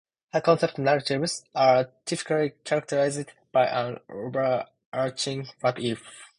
High-concept narratives are typically characterised by an overarching what if?